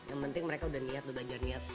yang penting mereka udah niat udah belajar niat